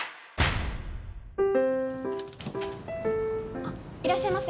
あっいらっしゃいませ。